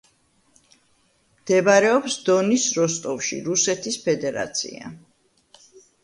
მდებარეობს დონის როსტოვში, რუსეთის ფედერაცია.